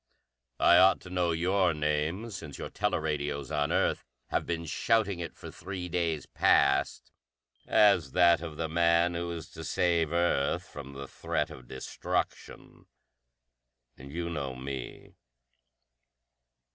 "I ought to know your name, since your teleradios on Earth have been shouting it for three days past as that of the man who is to save Earth from the threat of destruction. And you know me!"